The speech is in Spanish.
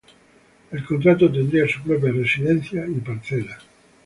El contrato tendría su propia residencia y parcela.